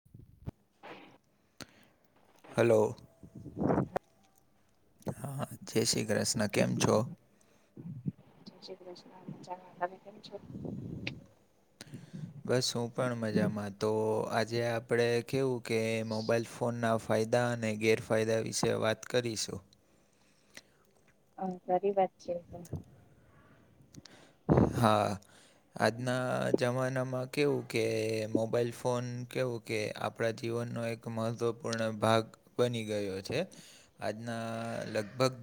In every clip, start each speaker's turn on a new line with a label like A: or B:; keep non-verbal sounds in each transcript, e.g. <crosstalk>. A: <inaudible> Hello. હા, જય શ્રી કૃષ્ણ કેમ છો?
B: જય શ્રી કૃષ્ણ મજામાં તમે કેમ છો?
A: બસ હું પણ મજામાં તો આજે આપણે કેવું કે મોબાઈલ ફોનના ફાયદા અને ગેરફાયદા વિશે વાત કરીશું.
B: હા ખરી વાત છે.
A: હા આજના જમાનામાં કેવું કે મોબાઈલ ફોન કેવું કે આપણા જીવનનો એક મહત્ત્વપૂર્ણ ભાગ બની ગયો છે આજના લગભગ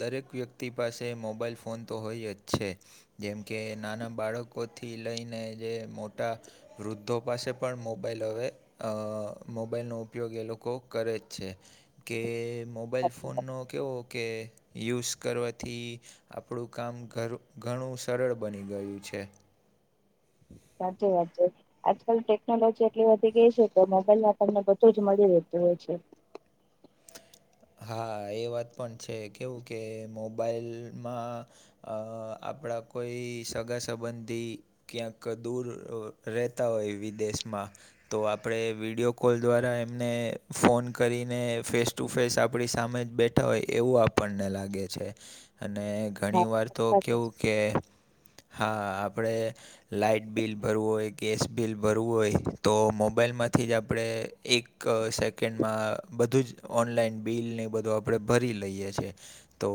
A: દરેક વ્યક્તિ તિ પાસે મોબાઈલ ફોન તો હોય જ છે. જેમ કે નાના બાળકોથી લઈને જે મોટા વૃદ્ધો પાસે પણ મોબાઈલ હવે અ મોબાઈલનો ઉપયોગ એ લોકો કરે જ છે. કે મોબાઈલ ફોનનો કેવો કે યુઝ કરવાથી આપણું કામ ઘર ઘણું સરળ બની ગયું છે. હમ <unintelligible>
B: સાચું વાત છે. આજકાલ ટેકનોલોજી એટલી વધી ગઈ છે કે મોબાઈલના આપણને બધું જ મળી રહેતું હોય છે.
A: હા એ વાત પણ છે કેવું કે મોબાઈલમાં અ આપણા કોઈ સગા સંબંધી ક્યાંક દૂર રહેતા હોય વિદેશમાં તો આપણે વિડીયો કોલ દ્વારા એમને ફોન કરીને ફેસ ટુ ફેસ આપણી સામે જ બેઠા હોય એવું આપણને લાગે છે અને
B: હા
A: ઘણી વાર તો
B: સાચું
A: કેવું કે હા આપણે લાઈટ બિલ ભરવું હોય, ગેસ બિલ ભરવું હોય તો મોબાઈલમાંથી જ આપણે એક એક સેકન્ડમાં બધું જ ઓનલાઈન બિલને એ બધું આપણે ભરી લઈએ છીએ. તો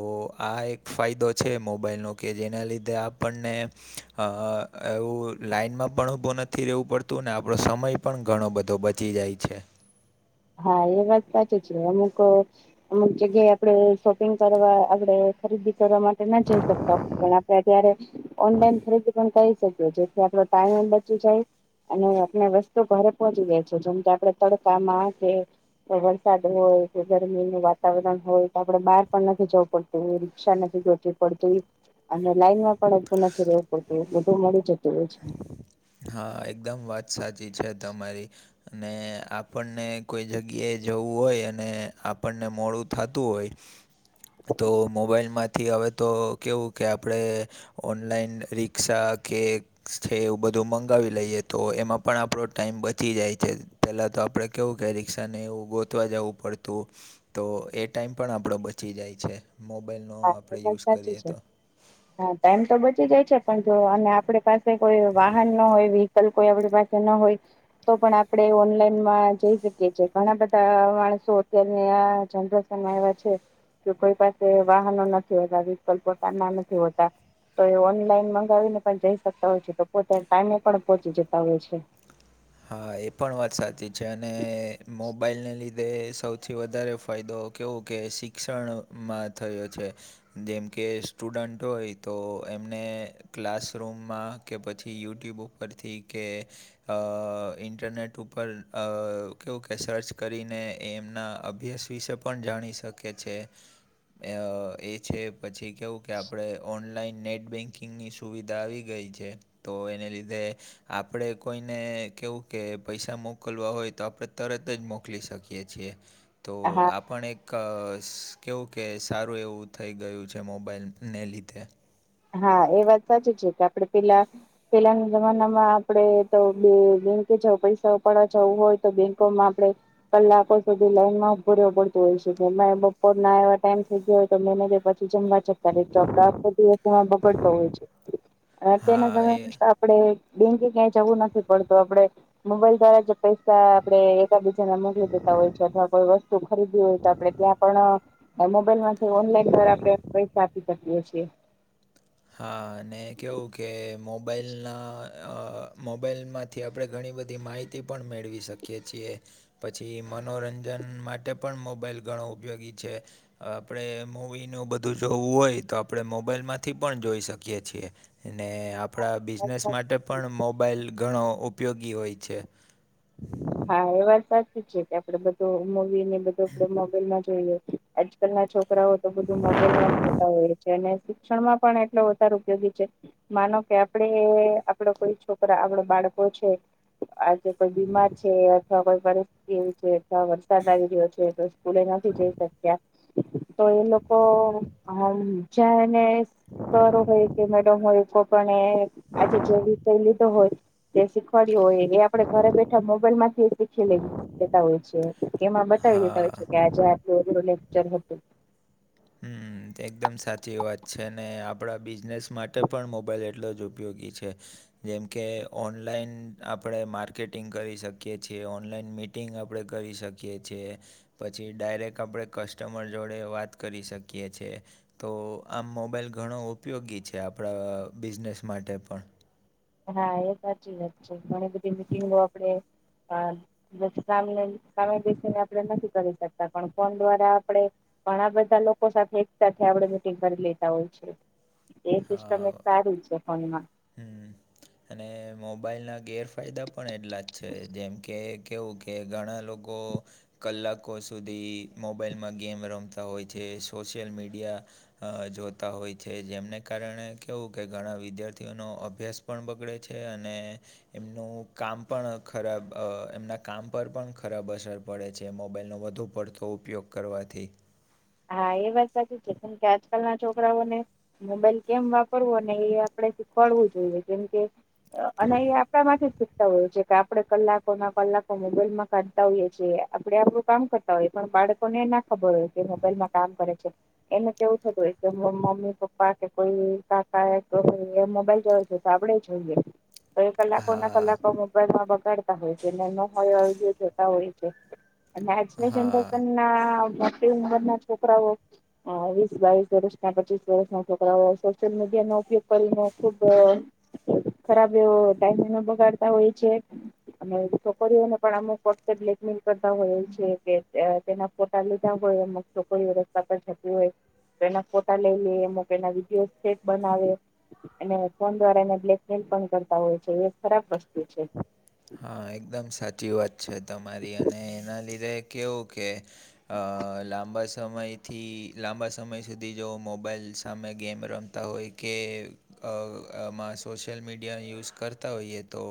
A: આ એક ફાયદો છે મોબાઈલનો કે જેના લીધે આપણને અ એવું લાઈનમાં પણ ઉભો નથી રેહવું પડતું ને આપડો સમય પણ ઘણો બધો બચી જાય છે.
B: હા એ વાત સાચી છે અમુક અમુક જગ્યાએ આપણે શોપિંગ કરવા આપણે ખરીદી કરવા માટે ના જઈ શકતા હો પણ આપડે અત્યારે ઓનલાઈન ખરીદી પણ કરી શકીએ છે આપણે ટાઈમ બચી જાય અને આપણે વસ્તુ ઘરે પહોંચી જાય છે જેમ કે આપણે તડકામાં જઈએ. વરસાદ હોય કે ગરમીનુ વાતાવરણ હોય તો આપણે બહાર પણ નથી જવું પડતું એ રિક્ષા નથી જતી. પડતું હોય અને લાઈનમાં પણ ઊભું નથી રહેવું પડતું એ બધું મળી જતું હોય છે.
A: હા એકદમ વાત સાચી છે તમારી અને આપણને કોઈ જગ્યાએ જવું હોય અને આપણને મોડું થતું હોય તો મોબાઈલમાંથી હવે તો કેવું કે આપણે ઓનલાઈન રિક્ષા કે છે એવું બધું મંગાવી લઈએ તો એમાં પણ આપણો ટાઈમ બચી જાય છે. પહેલાં તો આપણે કેવું કે રિક્ષાને એવું ગોતવા જવું પડતું. તો એ ટાઈમ પણ આપણો બચી જાય છે મોબાઈલનો
B: હા
A: આપણે
B: એ વાત
A: યુઝ
B: સાચી
A: કરીએ
B: છે
A: તો
B: હા ટાઈમ તો બચી જાય છે પણ જો અને આપણે પાસે કોઈ વાહન ન હોય વી કોઈ આપણી પાસે ન હોય તો પણ આપણે ઓનલાઈનમાં જઈ શકીએ છીએ. ઘણા બધા માણસો અત્યારની આ જનરેશનમાં એવા છે કે કોઈ પાસે વાહનો નથી હોતા વિકલ્પ પોતાના નથી હોતા તો એ ઓનલાઈન મંગાવીને પણ જઈ શકતા હોય છે તો પોતે ટાઈમે પણ પોહોંચી જતા હોય છે.
A: હા એ પણ વાત સાચી છે અને મોબાઈલને લીધે તે સૌથી વધારે ફાયદો કેવું કે શિક્ષણમાં થયો છે. જેમ કે સ્ટુડન્ટ હોય તો એમને ક્લાસરૂમમાં કે પછી યુટ્યુબ ઉપરથી કે અ અ ઇન્ટરનેટ ઉપર અ કેવું કે સર્ચ કરીને એ એમના અભ્યાસ વિશે પણ જાણી શકે છે એ છે પછી કેવું કે આપણે ઓનલાઈન નેટ બેંક કિંગની સુવિધા આવી ગઈ છે તો એને લીધે આપણે કોઈને કેવું કે પૈસા મોકલવા હોય તો આપણે તરત જ મોકલી શકીએ છીએ. તો
B: હા
A: આપણ એક ક કેવું કે સારું એવું થઈ ગયું છે મોબાઈલને લીધે.
B: હા એ વાત સાચી છે કે આપડે પેલા પેલાના જમાનામાં આપણેે તો બે બેંકે જ પૈસા ઉપાડવા જવું હોય તો બેંકોમાં આપણે કલાકો સુધી લાઈનમાં ઉભર પડતું હોય છેકે બપોર ના એવા ટાઈમ થઈ ગયો હોય તો મેનેજર પછી ચોડા બગડતો હોય છે
A: હા
B: તેના
A: એ
B: <unintelligible> આપે બેંકે ક્યાંય જવું નથી પડતું આપડે મોબાઈલ દ્વારા જ પૈસા આપણે એકબીજાને મોકલી દેતા હોય છે અથવા કોઈ વસ્તુ ખરીદવી હોય તો આપડણે ત્યાં પણ મોબાઈલ માંથી ઓનલાઈન દ આપડે પૈસા આપી શકીએ છીએ.
A: હા અને કેવું કે મોબાઈલ ના મોબાઈલમાંથી આપણે ઘણી બધી માહિતી પણ મેળવી શકીએ છીએ. પછી મનોરંજન માટે પણ મોબાઈલ ઘણો ઉપયોગી છે. હવે આપણે મવીનું બધું જોવું હોય તો આપડણે મોબાઈલ માં થી પણ જોઈ શકીએ છીએ આપણા બિઝનેસ
B: હા,
A: માટે પણ મોબાઈલ ઘણો ઉપયોગી હોય છે.
B: હા એ વાત સાચી જ છે કે આપણેે બધું મવી ને બધુંડ મોબાઈલમાં જોઈએ. આજકાલ ના છોકરાઓ તો બધું મોબાઈલમાં જતા હોય છે. શિક્ષણમાં પણ એટલો વધારે ઉપયોગી છે. માનો કે આપડે આપડો કોઈ છોકરા આપડ બાળકો છે. આજે કોઈ બીમાર છે અથવા કોઈ પરિસ્થિતિ એવી છે અથવા વરસાદ આવી રહ્યો છે તો સ્કૂલે નથી જઈ શક્યા. તો એ લોકો જેને સર હોય કે મેડમ હોય કોઈ પણ એ આજે જે વિષય લીધો હોય તે શીખવાડ્યો હોય એ આપડે ઘરે બેઠા મોબાઈલ માંથી શખી લે હોય છે એમાં બતાવી દે હોય
A: હા.
B: છે કે આજે આટલું લેકચર હતું.
A: હમ તે એકદમ સાચી વાત છે ને આપણા બિઝનેસ માટે પણ મોબાઈલ એટલો જ ઉપયોગી છે. જેમકે ઓનલાઈન આપણે માર્કેટિંગ કરી શકીએ છીએ ઓનલાઈન મી કટિંગ આપણે કરી શકીએ છીએ પછી ડાયરેક્ટ આપણે કસ્ટમર જોડે વાત કરી શકીએ છીએ. તો આમ મોબાઈલ ઘણો ઉપયોગી છે આપણા બિઝનેસ માટે પણ.
B: હા એ સાચી વા છે ઘણી બધી મીટિંગો આપડે સા સામે બેસીને આપણે નથી કરી શકતા પણ ફોન દ્વારા આપણે પણ આ બધા લોકો સાથે એક સાથે આપડ મીટિંગ કરી લેતા હોય છે. એ સિસ્ટમ
A: હા
B: એક સારી છે ફોન માં
A: હમ અને મોબાઈલ ના ગેરફાયદા પણ એટલા જ છે જેમ કે કેવું કે કે ઘણા લોકો કલાકો સુધી મોબાઈલમાં ગેમ રમતા હોય છે સોશિયલ મીડિયા અ જોતા હોય છે જેમને કારણે કેવું કે ઘણા વિદ્યાર્ તેનો અભ્યાસ પણ બગડે છે અને એમનું કામ પણ ખરાબ અ એમના કામ પર પણ ખરાબ અસર પડે છે. મોબાઈલનો વધુ પડતો ઉપયોગ કરવાથી
B: હા એ વાત સાચી છે કેમ કે આજકાલના છોકરાઓને મોબાઈલ કેમ વાપરવો ને એ આપડણે શીખવાડવું જોઈએ કેમ કે અને એ આપડા માંથી જ શીખતા હોય છે કે આપણે કલાકો ના કલાકો મોબાઈલમાં કાઢતા હોઈએ છીએ આપણે આપણું કામ કરતા હોઈએ પણ બાળકોને ના ખબર હોય કે મોબાઈલમાં કામ કરે છે. એને કેવું થતું એક તો મમ મમ્મી પપ્પા કે કોઈ કાકા ગમે ઈ એ મોબાઈલ જોવે છે તો આપડે જોઈએ. તો એ કલાકો ના કલાકો મોબાઈલમાં બગાડતા હોય છે. ને ન હોય એવા વિડિઓ જોતા હોય છે. અને આજની જનરેશનના મોટી ઉંમરના છોકરાઓ અ વીસ બાવીસ વર્ષના, પચીસ વર્ષના છોકરાઓ સોશિયલ મીડિયાનો ઉપયોગ કરીને ખુબ ખરાબ એવો ટાઈમ એનો બગાડતા હોય છે. અને છોકરીઓને પણ અમુક વખતે બ્લેકમેલ કરતા હોય છે કે એ તેના ફોટા લીધા હોય અમુક છોક કોઈ રસ્તા પર જતી હોય તો એના ફોટા લઈ લે. અમુક એના વિડીયો સેટ બનાવે. અને ફોન દ્વારા એને બ્લેકમેલ પણ કરતા હોય છે. એ ખરાબ વસ્તુ છે.
A: હા એકદમ સાચી વાત છે તમારી અને એના લીધે કેવું કે અ લાંબા સમયથી લાંબા સમય સુધી જો મોબાઈલ સામે ગેમ રમ તા હોય કે અ આમાં સોશિયલ મીડિયા યુઝ કરતા હોઈએ તો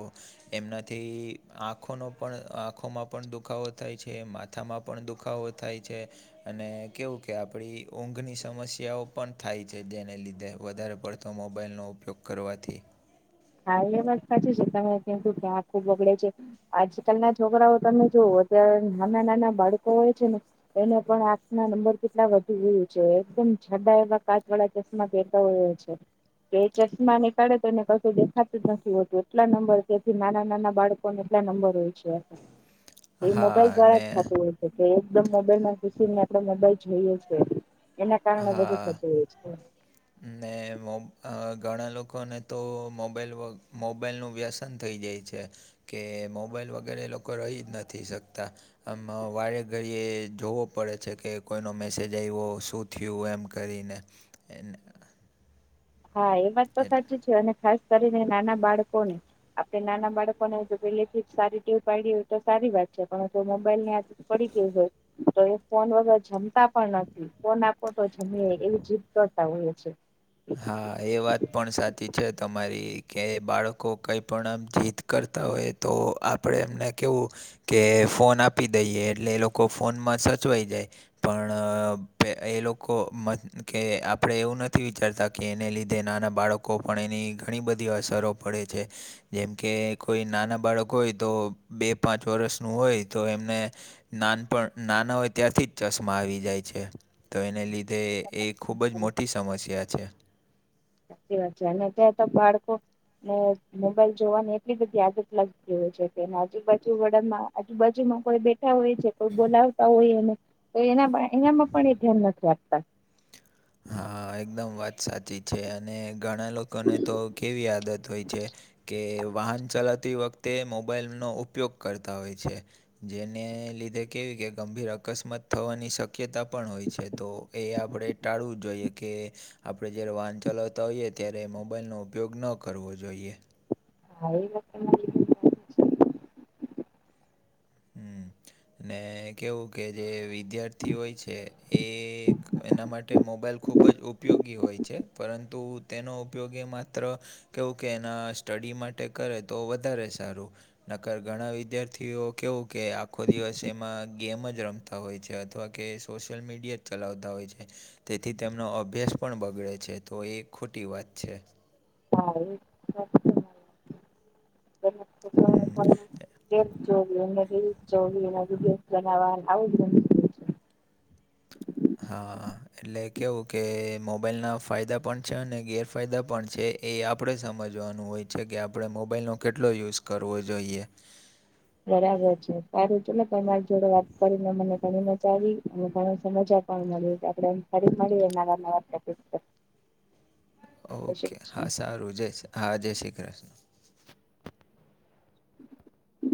A: એમનાથી આંખોનો પણ આંખોમાં પણ દુખાવો થાય છે મા થામાં પણ દુખાવો થાય છે. અને કેવું કે આપડી ઊંઘની સમસ્યાઓ પણ થાય છે. તેને લીધે વધારે પડ તો મોબાઈલનો ઉપયોગ કરવાથી.
B: હા એ વાત સાચી છે કે તમે કીધું કે આખું બગડે છે. આજકલના છોકરાઓ તમે જોવો અત્યારે નાના નાના બાળકો હોય છે ને એને પણ આંખના નંબર કેટલા વધુ ગયું છે. એકદમ જાડા એવા કાચવાળા ચસ માં પેરતા હોઈએ છે. કે ચશ્મા નીકાળે તો એને કશ શું દેખાતું જ નથી હોતું. એટલા નંબર તેથી નાના નાના બાળકોને એટલા નંબર હોય છે. એ મોબાઈલ
A: હા
B: દ્વારા
A: ને
B: જ થતું હોય છે. કે એકદમ મોબાઈલમાં ઘુસી ને આપણે મોબાઈલ જોઈએ છીએ. એના કારણે બધું
A: હા
B: થતું હોય છે.
A: ને મો અ ઘણા લોકોને તો મોબાઈલ વગ મોબાઈલનું વ્યસ વેસન થઈ જાય છે કે મોબાઈલ વગર એ લોકો રહી જ નથી શકતા. આમ વારે ઘડીએ જોવો પડે છે કે કોઈનો મેસેજ આવ્યો, શું થયું એમ કરીને એને
B: હા એ વાત તો સાચી છે અને ખાસ કરીને નાના બાળકોને આપે નાના બાળકોને જો પેલે થી જ સારી ટેવ પાડી હોય તો સારી વાત છે. પણ જો મોબાઈલની આદત પડી ગઈ હોય તો એ ફોન વગર જમ તા પણ નથી. ફોન આપો તો જમે એવી જીદ કરતા હોઈએ છે.
A: હા, એ વાત પણ સાચી છે તમારી કે બાળકો કઈ પણ આમ જીદ કરતા હોય તો આપણે એમને કેવું કે ફોન આપી દઈએ એટલે એ લોકો ફોનમાં સચવાઈ જાય. પણ એ લોકો મન કે આપણે એવું નથી વિચારતા કે એને લીધે નાના બાળકો પણ એની ઘણી બધી અસરો પડે છે. જેમ કે કોઈ નાના બાળક હોય તો બે પાંચ વર્ષનું હોય તો એમને નાનપણ નાના હોય ત્યારથી જ ચશ્મા આવી જાય છે. તો એને લીધે એ ખૂબ જ મોટી સમસ્યા છે.
B: સાચી વાત છે અને અત્યાર તો બાળકો ને મોબાઈલ જોવાની એટલી બધી આદત લાગતી હોય છે કે એના આજુબાજુ વાળાના આજુબાજુમાં કોઈ બેઠા હોય છે કોઈ બોલાવતા હોયને તો એના ભાણિયામાં પણ એ ધ્યાન નથી આપતા
A: હા એકદમ વાત સાચી છે અને ઘણા લોકોને તો કેવી આદત હોય છે કે વાહન ચલાવતી વખ તે મોબાઈલનો ઉપયોગ કરતા હોય છે. જેને લીધે કેવી કે ગંભીર અકસ્માત થવાની શક્યતા પણ હોય છે તો એ આપણે ટાળવું જોઈએ કે આપણે જયારે વાહન ચલાવતા હોઈએ ત્યારે મોબાઈલનો ઉપયોગ ન કરવો જોઈએ.
B: હા એ વાત તમારી
A: હમ્મ ને કેવું કે જે વિદ્યાર્થી હોય છે એ એના માટે મોબાઈલ ખૂબ જ ઉપયોગી હોય છે પરંતુ તેનો ઉપયોગ એ માત્ર અ કેવું કે એના સ્ટડી માટે કરે તો વધારે સારું. નકર ઘણા વિદ્યાર્થીઓ કેવું કે આખો દિવસ એમાં ગેમ જ રમતા હોય છે અથવા કે સોશિયલ મીડિયા ચલાવતા હોય છે તેથી તેમનો અભ્યાસ પણ બગડે છે તો એ ખોટી વાત છે.
B: હા એ <unintelligible>
A: હમ્મ એ
B: <unintelligible>
A: હા. એટલે કેવું કે મોબાઈલના ફાયદા પણ છે અને ગેરફાયદા પણ છે. એ આપણે સમજવાનું હોય છે કે આપણે મોબાઈલનો કેટલો યુઝ કરવો જોઈએ.
B: બરાબર છે સારું ચલો તમાર જોડે વાત કરીને મને ઘણી મજા આવી. ઘણ સમજ્યા પણ મળી આપણે ફરી મળી એવા નવા ટોપિક ઉપર
A: ઓકે હા સારું જય હા જય શ્રી કૃષ્ણ.
B: <inaudible>